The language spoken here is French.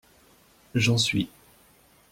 J'en suis